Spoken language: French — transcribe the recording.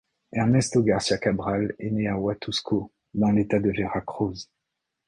Ernesto García Cabral est né à Huatusco, dans l'État de Veracruz.